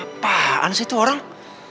apaan sih itu orang